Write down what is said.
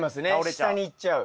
下に行っちゃう。